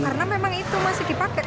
karena memang itu masih dipakai